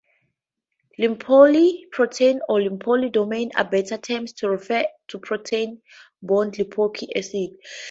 Lipoyl-protein or lipoyl-domain are better terms to refer to protein bound lipoic acid.